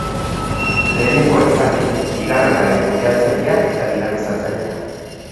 Lehenengoa izanik bigarrenaren kudeatzailea eta dinamizatzailea.